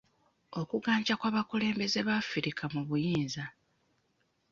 Okuganja kw'abakulembeze abafirika mu buyinza.